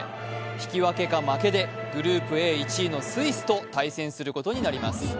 引き分けか負けで、グループＡ１のスイスと対戦することになります。